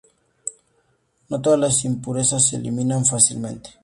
No todas las impurezas se eliminan fácilmente.